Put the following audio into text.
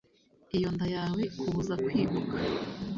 iyo nda yawe ikubuza kwibuka